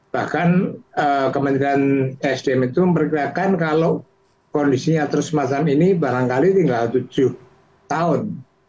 bahkan kementerian sdm itu memperkirakan kalau kondisinya terus semacam ini barangkali tinggal tujuh tahun